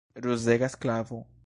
Ruzega sklavo!